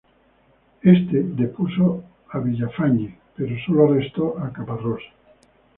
Éste depuso a Villafañe, pero sólo arrestó a Caparrós.